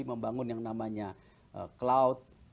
membangun yang namanya cloud